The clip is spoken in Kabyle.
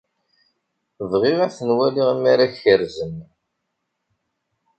Bɣiɣ ad ten-waliɣ mi ara kerrzen.